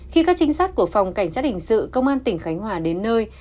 khi các trinh sát của phòng cảnh sát hình sự công an tỉnh khánh hòa đến nơi